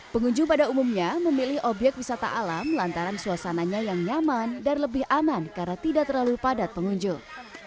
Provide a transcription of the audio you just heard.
pengunjung pada umumnya memilih obyek wisata alam lantaran suasananya yang nyaman dan lebih aman karena tidak terlalu padat pengunjung